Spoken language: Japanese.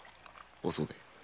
お袖。